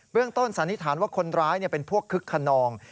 ต้นสันนิษฐานว่าคนร้ายเป็นพวกคึกขนอง